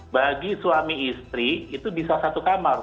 bagi suami istri itu bisa satu kamar